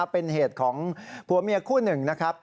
เป็นเหตุของผัวเมียคู่หนึ่งนะครับ